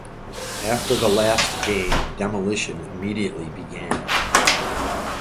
After the last game, demolition immediately began.